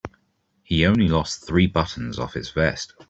He only lost three buttons off his vest.